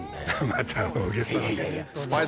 また大げさな。